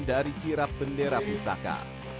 dari kirap bendera misaka